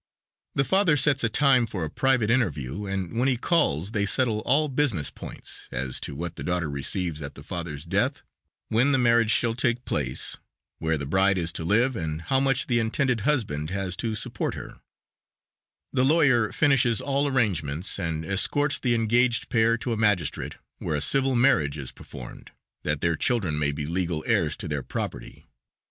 The father sets a time for a private interview and when he calls they settle all business points: As to what the daughter receives at the father's death, when the marriage shall take place, where the bride is to live and how much the intended husband has to support her; the lawyer finishes all arrangements and escorts the engaged pair to a magistrate, where a civil marriage is performed that their children may be legal heirs to their property.